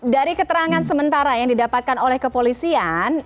dari keterangan sementara yang didapatkan oleh kepolisian